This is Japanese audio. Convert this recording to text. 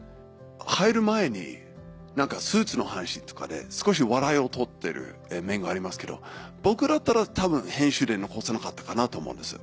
入る前にスーツの話とかで少し笑いを取ってる面がありますけど僕だったら多分編集で残さなかったかなと思うんです。